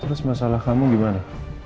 terus masalah kamu gimana